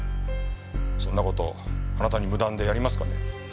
そんな事あなたに無断でやりますかね？